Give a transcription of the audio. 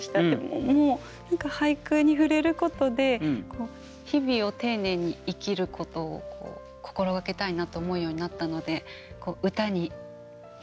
何か俳句に触れることで日々を丁寧に生きることを心がけたいなと思うようになったので歌に多分生きてくる。